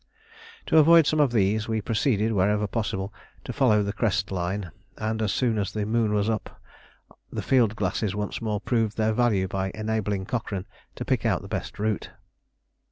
To avoid some of these, we proceeded, wherever possible, to follow the crest line, and as soon as the moon was up the field glasses once more proved their value by enabling Cochrane to pick out the best route.